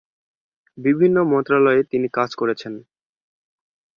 বিভিন্ন মন্ত্রণালয়ে তিনি কাজ করেছেন।